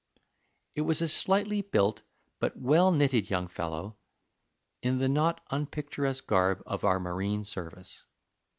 It was a slightly built but well knitted young fellow, in the not unpicturesque garb of our marine service.